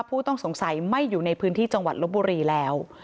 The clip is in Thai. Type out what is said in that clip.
ผู้ต้องสงสัยไม่อยู่ในพื้นที่จังหวัดลบบุรีแล้ว